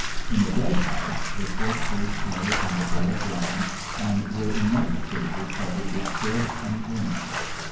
In the dead house the corpses lay on the bare ground, and were in most cases covered with filth and vermin.